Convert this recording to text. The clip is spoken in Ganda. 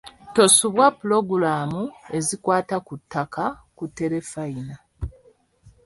Tosubwa pulogulaamu ezikwata ku ttaka ku Terefayina.